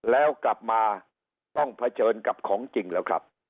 แล้วกลับมาต้องเผชิญกับของจริงแล้วครับ